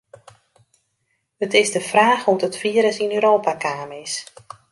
It is de fraach hoe't it firus yn Europa kaam is.